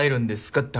って話。